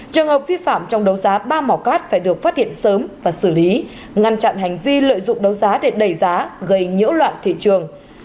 trường hợp vi phạm trong đấu giá ba mỏ cát phải được phát hiện sớm và xử lý ngăn chặn hành vi lợi dụng đấu giá để đẩy giá gây nhiễu loạn thị trường